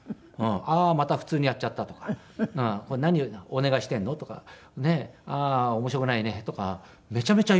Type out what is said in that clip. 「ああーまた普通にやっちゃった」とか「これ何をお願いしているの？」とか「ああー面白くないね」とかめちゃめちゃ言うんですよ。